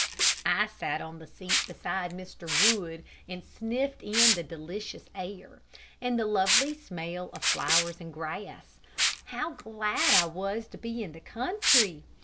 I sat on the seat beside Mr. Wood, and sniffed in the delicious air, and the lovely smell of flowers and grass. How glad I was to be in the country!